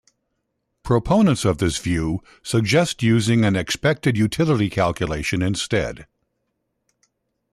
Proponents of this view suggest using an expected utility calculation instead.